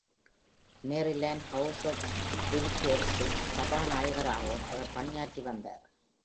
Maryland House of Delegates-இன் சபாநாயகராகவும் அவர் பணியாற்றி வந்தார்.